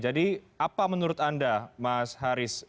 jadi apa menurut anda mas haris